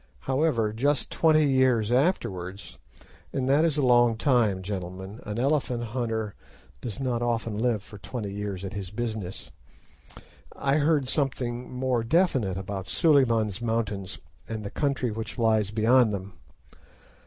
However, just twenty years afterwards—and that is a long time, gentlemen; an elephant hunter does not often live for twenty years at his business—I heard something more definite about Suliman's Mountains and the country which lies beyond them.